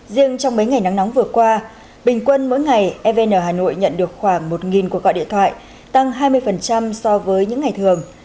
riêng trong mấy ngày nắng nóng vừa qua bình quân mỗi ngày evn hà nội nhận được khoảng một cuộc gọi điện thoại tăng hai mươi so với những ngày thường